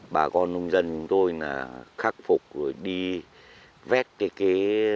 bà con nông dân tôi khắc phục rồi đi vét kế kế